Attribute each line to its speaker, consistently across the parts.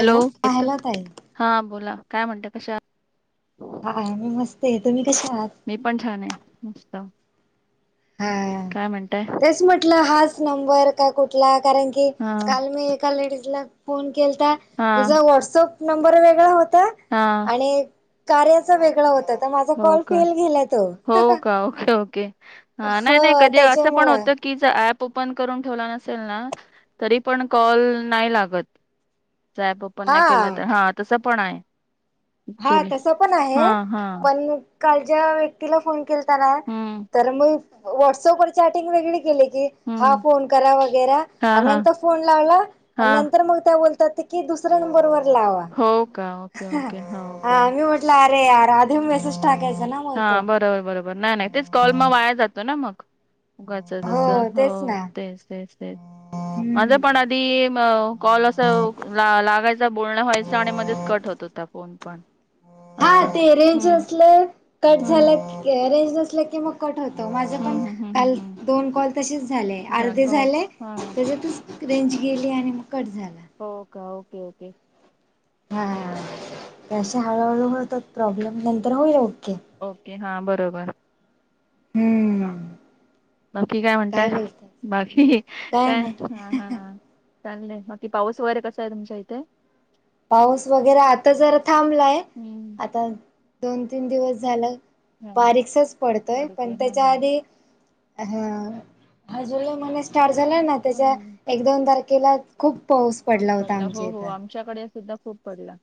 Speaker 1: Hello येतोय
Speaker 2: hello ताई
Speaker 1: हा बोला काय म्हणता कशा
Speaker 2: हा मी मस्त आहे तुम्ही कसे आहात.
Speaker 1: मी पण छान आहे नुसतं.
Speaker 2: हा तेच म्हटलं हाच नंबर का कुठला कारण की
Speaker 1: हा
Speaker 2: काल मी काल लेडीज ला फोन केलता
Speaker 1: हा
Speaker 2: तिझा व्हॉट्सअप नंबर वेगळा होता.
Speaker 1: हा
Speaker 2: आणि कार्याच वेगळ होतत.
Speaker 1: हो का हो का ओके ओके हा नाही
Speaker 2: हो
Speaker 1: नाही कधी असं पण
Speaker 2: त्याच्यामुळं
Speaker 1: होत. कीज ऍप ओपन करून ठेवला नसेल ना तरी पण कॉल नाही लागत. जर ॲप ओपन नाही केलं तर हा तसं पण आहे.
Speaker 2: हा
Speaker 1: ऍक्च्युली
Speaker 2: तसं पण आहे
Speaker 1: हा हा
Speaker 2: पण कालच्या व्यक्तीला फोन केलताना
Speaker 1: हम्म
Speaker 2: तर मग व्हॉट्सअपवर चॅटिंग वेगळी केली की हा
Speaker 1: हम्म
Speaker 2: फोन करा वगैरे
Speaker 1: हा
Speaker 2: आणि
Speaker 1: हा
Speaker 2: नंतर फोन लावला
Speaker 1: हा
Speaker 2: आणि नंतर मग त्या बोलतात. की दुसऱ्या नंबरवर. लावा
Speaker 1: हो का ओके ओके. हो
Speaker 2: हा
Speaker 1: का
Speaker 2: मी म्हटलं अरे यार आधीेच
Speaker 1: हम्म.
Speaker 2: मॅसेज टाकायचं ना
Speaker 1: हा
Speaker 2: मत
Speaker 1: बरोबर बरोबर नाही नाही तेच कॉल मग वाया जातो ना मग उगाच तसं हो
Speaker 2: तेच ना
Speaker 1: तेच तेच तेच माझ
Speaker 2: हम्म
Speaker 1: पण आधी कॉल अस लागायचं बोलणं व्हायचं आणि मध्येच कट होत होता फोन पण
Speaker 2: हा
Speaker 1: अच्छा.
Speaker 2: ते रेंज असले कट झालं रेंज नसलं की मग कट होतो माझे पण
Speaker 1: हम्म हम्म
Speaker 2: काल
Speaker 1: हम्म हम्म
Speaker 2: दोन कॉल तसेच झाले अर्धे
Speaker 1: झालं हो
Speaker 2: झाले
Speaker 1: हा
Speaker 2: ये ज्यातून रेंज गेली आणि मग कट झाला.
Speaker 1: हो का ओके ओके.
Speaker 2: हा तसे हळूहळू होतात प्रॉब्लेम नंतर होईल ओके.
Speaker 1: ओके हा बरोबर.
Speaker 2: हम्म
Speaker 1: बाकी काय म्हणताय बाकी काय हा-हा-हा. चालय बाकी पाऊस वगैरे कसा आहे तुमच्या इथे.
Speaker 2: पाऊस वगैरे आता जर थांबलाय
Speaker 1: हम्म
Speaker 2: आता दोन तीन दिवस झालं.
Speaker 1: हा
Speaker 2: बारीकसाच पडतोय पण
Speaker 1: पडते हा हा.
Speaker 2: त्याच्या आधी ह हजमूनी स्टार्ट झाला ना त्याच्या
Speaker 1: हम्म
Speaker 2: एक दोन तारखेला खूप पाऊस पडला होता आमच्या इथं.
Speaker 1: आमच्याकडे सुद्धा खूप पडला.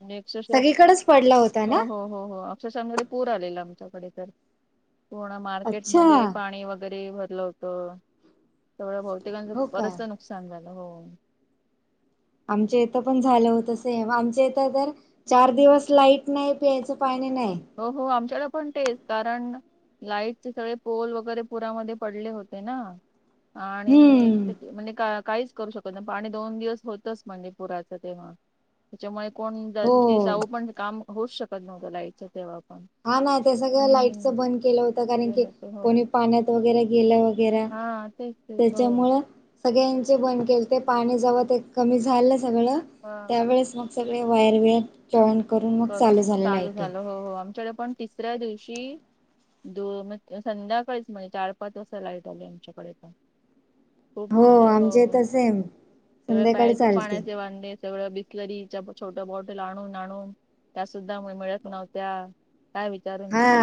Speaker 1: म्हणजे अक्षरशः
Speaker 2: सगळीकडच पडला होता ना.
Speaker 1: हो हो हो हो अप आमच्या सांगडे पूर आलेला आमच्याकडे तर पूर्ण
Speaker 2: अच्छा
Speaker 1: मार्केटमध्ये पाणी वगैरे भरलं होत. अ सगळं बहुतेकांचं
Speaker 2: हो का
Speaker 1: बरच नुकसान झालं हो.
Speaker 2: आमच्या इथं पण झालं होत असे आमच्या इथं तर चार दिवस लाईट नाही पियांच पाणी नाही.
Speaker 1: हो. हो. आमच्याकडं पण तेच कारण लाईटचे सगळे पोल वगैरे पुरामध्ये पडले होते ना. आणि
Speaker 2: हम्म
Speaker 1: [unintelligible] म्हणजे का काहीच - - करू शकत नाही. पाणी दोन दिवस होतंच म्हणजे पुराचं तेव्हा. त्यांच्यामुळे कोण तिथे
Speaker 2: हो
Speaker 1: जाऊ पण काम होऊच शकत नव्हतं लाईटच तेव्हा पण.
Speaker 2: हा ना. ते सगळं लाईटच
Speaker 1: हम्म
Speaker 2: बंद केलं होतं कारण
Speaker 1: ते
Speaker 2: की
Speaker 1: नाही तर हो
Speaker 2: कोणी पाण्यात वगैरे गेलं
Speaker 1: हा
Speaker 2: - -
Speaker 1: तेच
Speaker 2: [unintelligible]
Speaker 1: तेच हो
Speaker 2: त्याच्यामुंळ. सगळ्यांचे बंद केलते. पाणी जेव्हा ते कमी झालं सगळं - -
Speaker 1: [unintelligible]
Speaker 2: त्यावेेळेस मग सगळे वायर बिअर जॉन करून मग चालू झाले लाईटी.
Speaker 1: हो. हो. आमच्याकडे पन - - तिसऱ्या दिवशी दो म संध्याकाळीच म्हणजे चार, पाच वाजता लाईट आली आमच्याकडे पण. खूप
Speaker 2: हो
Speaker 1: म्हणजे
Speaker 2: आमच्या हित सेम
Speaker 1: प्यायचे
Speaker 2: संध्याकाळीचं आलती.
Speaker 1: पाण्याचे वांदे सगळ्या बिसलरीच्या छोट्यां बॉटलं आणून आणून त्यासुद्धा म मिळत नव्हत्या. काय विचारू
Speaker 2: हा
Speaker 1: नका.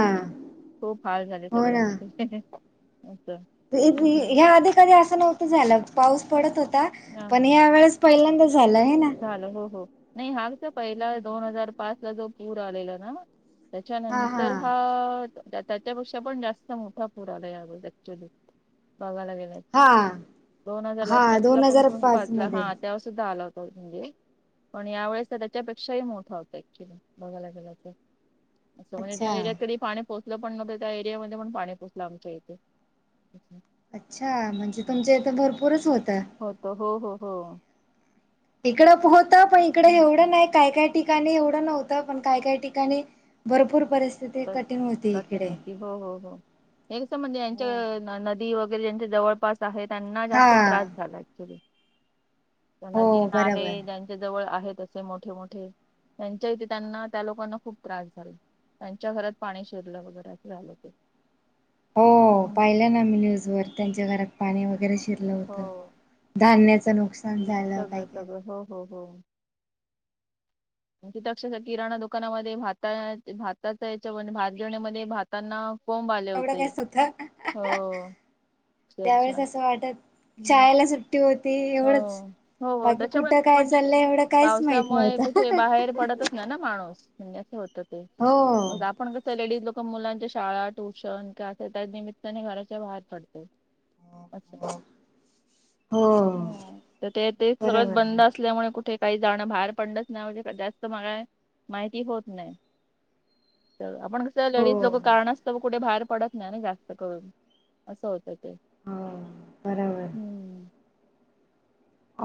Speaker 1: खूप हाल झाले
Speaker 2: हो ना.
Speaker 1: सगळ्याचे अस.
Speaker 2: ह्या आधी कधी असं नव्हतं झालं. पाऊस पडत होता.
Speaker 1: हा
Speaker 2: पण या वेळेस पहिल्यांदा झालंय हे ना.
Speaker 1: हो. हो. नाही. [unintelligible] पहीला दोन हजार पाच ला जो पूर आलेला ना त्याच्यानंतर हा त्याच्यापेक्षा पण जास्त मोठा पुर आलायं या अगोदर ऍक्च्युली बघायला गेल तर.
Speaker 2: हा. हा. दोन
Speaker 1: पण
Speaker 2: हजार
Speaker 1: कोण-
Speaker 2: पाच
Speaker 1: ला
Speaker 2: मध्ये.
Speaker 1: हा तेव्हा सुद्धा आला होता. म्हणजे पण या वेळेस त्याच्यापेक्षाही मोठा होता. ॲक्चुली बघायला गेलं तर. असं म्हणजे ज्या
Speaker 2: अच्छा
Speaker 1: एरियात कधी पाणी पोचलं पण नव्हतं त्या एरियामध्ये पण पाणी पोचलं आमच्या इथे.
Speaker 2: अच्छा! म्हणजे तुमच्या इथं भरपूरच होतं.
Speaker 1: होत. हो, हो, हो.
Speaker 2: इकडं प होत पण इकड
Speaker 1: हम्म.
Speaker 2: एवढं नाही. काय काय ठिकाणी एवढं नव्हतं. पण काय काय ठिकाणी भरपूर परिस
Speaker 1: स्थिती होती. हो, हो, हो. हे कसं म्हणजे यांच्या ना न - - दी वगैरे ज्याच्या जवळपास आहे त्यांना
Speaker 2: हा
Speaker 1: जास्त त्रास झाला ॲक्चुली. [unintelligible]
Speaker 2: हो
Speaker 1: नदी, नाले
Speaker 2: बरोबर
Speaker 1: ज्या जवळ आहेत असे मोठे मोठे त्यांच्या इथे त्यांना त्या लोकांना खूप त्रास झाले. त्यांच्या घरात पाणी शिरलं वगैरे अस झालं ते.
Speaker 2: हो. पाहिलं ना मी न्यूज वर त्यांच्या घरात पाणी वगैरे शिरलं
Speaker 1: हो
Speaker 2: होत. धान्याच नुकसान झालं काय
Speaker 1: सगळं
Speaker 2: काय लोकांचं.
Speaker 1: सगळं हो, हो, हो. [unintelligible] किराणा दुकानामध्ये भाता भाताचा याच्या भात घेण्यामध्ये भातांना - -
Speaker 2: एवढं काय अस होत. त्यावेळेस
Speaker 1: अक्षरशः
Speaker 2: असं वाटत - -
Speaker 1: हो
Speaker 2: शाळेला सु ट्टी होती एवढंच.
Speaker 1: हो हो
Speaker 2: बाकी कुठं
Speaker 1: त्याच्यामुळेच
Speaker 2: काय
Speaker 1: म्हणजे
Speaker 2: चाललंय एवढं काहीच माहित
Speaker 1: पावसामुळे
Speaker 2: नव्हत.
Speaker 1: कुठे बाहेर [unintelligible] ना माणूस म्हणजे असं होत ते.
Speaker 2: हो
Speaker 1: मगं आ पण कस लेडीज लोक मुलांच्या शाळा, ट्यूशन काय अस त्या निमित्ताने घराच्या बाहेर पडते. अच्छा.
Speaker 2: हो
Speaker 1: हो. तर ते ते सगळच
Speaker 2: बरोबर
Speaker 1: बंद असल्यामुळे कुठे - - काही जाणं बाहेर पडलंच ना म्हणजे जास्त म [unintelligible] माहिती होत नाही. तर आप आपण कसं
Speaker 2: हो
Speaker 1: लेडीज लोक कारणास्त कुठे बाहेर पडत नाही ना जास्त करून असं होतं ते.
Speaker 2: हो. बरोबर.
Speaker 1: हम्म.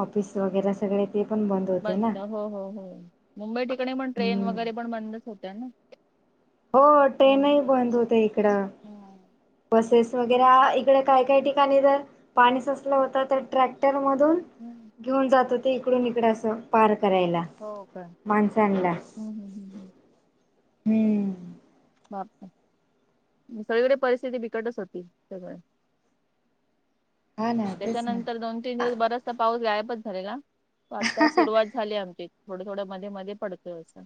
Speaker 2: ऑफिस वगैरे सगळे ते पण बंद होते ना.
Speaker 1: हो हो हो मुंबई ठिका पण ट्रेन
Speaker 2: हम्म
Speaker 1: वगैरे पण बंदच होत्या ना?
Speaker 2: हो ट्रेनही बंद होते इकडं.
Speaker 1: हम्म.
Speaker 2: बसेस वगैरे इकडे काही काही ठिकाणी जर पाणी साचलं होतं तर ट्रॅक्टरमधून.
Speaker 1: हम्म.
Speaker 2: घेऊन जातो ते इकडून इकड असं पार करायला.
Speaker 1: हो का
Speaker 2: मानसाड
Speaker 1: हम्म हम्म हम्म हम्म.
Speaker 2: हम्
Speaker 1: बाप सगळीकडे परिस्थिती बिकटच होती सगळं
Speaker 2: हा ना तेच ना
Speaker 1: त्याच्यानंतर दोन तीन दिवस बराचसा पाऊस गायपच झालेला आता सुरुवात झाले आमचे थोडं थोडं मध्ये मध्ये पडतंय असं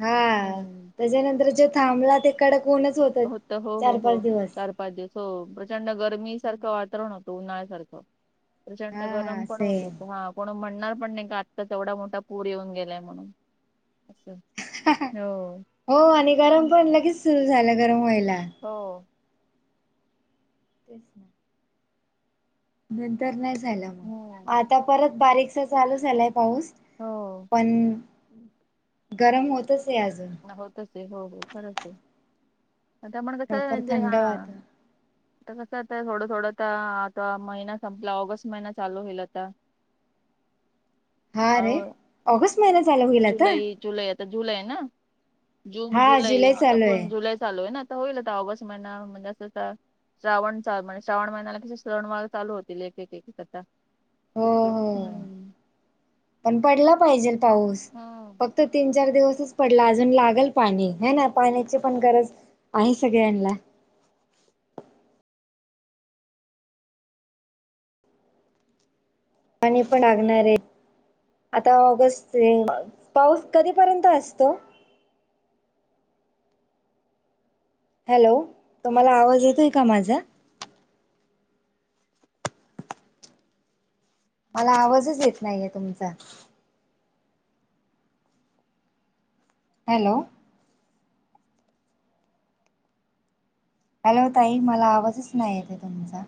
Speaker 2: हा त्याच्यानंतर जो थांबला ते कडक ऊनच होत
Speaker 1: हो हो
Speaker 2: चार
Speaker 1: हो.
Speaker 2: पाच दिवस
Speaker 1: चार पाच दिवस प्रचंड गरमी सारखं वातावरण होतं उन्हाळ्यासारखं प्रचंड
Speaker 2: हा
Speaker 1: गरम
Speaker 2: हा
Speaker 1: पण
Speaker 2: सेम
Speaker 1: होतो हा कोण म्हणणार पण नाही का आत्ता तेवढा मोठा पूर येऊन गेलाय म्हणून असं हो
Speaker 2: हो आणि गरम पण लगेच सुरू झालं गरम व्हायला
Speaker 1: हो
Speaker 2: तेच नाही नंतर नाही झाला
Speaker 1: हम्म
Speaker 2: मग आता परत बारीकसा चालू झालाय पाऊस
Speaker 1: हो.
Speaker 2: पण गरम होतच आहे अजून
Speaker 1: होतच आहे हो हो खरंच आहे आता पण कसं आहे
Speaker 2: प्रॉपर
Speaker 1: म्हणजे हा
Speaker 2: थंड वाता [inaudible]
Speaker 1: ता कसं आता थोडं थोडं तर आता महिना संपला ऑगस्ट महिना चालू होईल आता
Speaker 2: हा रे
Speaker 1: हळू
Speaker 2: ऑगस्ट महिना चालू होईल
Speaker 1: जुलै
Speaker 2: आता
Speaker 1: जुलै आता जुलै ना जून
Speaker 2: हा
Speaker 1: जुलै आता
Speaker 2: चालू आहे
Speaker 1: पर् जुलै चालू आहे ना आता होईल आता ऑगस्ट महिना म्हणजे अस श्रावण म्हणजे श्रावण महिन्याला कशी श्रवण वग चालू होतील एक एक करता अ
Speaker 2: हो हो
Speaker 1: हम्म
Speaker 2: पण पडला पाहिजे पाऊस
Speaker 1: हा.
Speaker 2: फक्त तीन चार दिवसच पडला अजून लागल पाणी ह ना पाण्याची पण गरज आहे सगळ्यांना पाणी पण लागणार हे आता ऑगस्ट पाऊस कधीपर्यंत असतो हॅलो तुम्हाला आवाज येतोय का माझा मला आवाजच येत नाहीये तुमचा हॅलो हॅलो ताई मला आवाजच नाही येते तुमचा